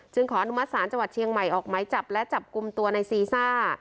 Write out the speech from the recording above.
ขออนุมัติศาลจังหวัดเชียงใหม่ออกไม้จับและจับกลุ่มตัวในซีซ่า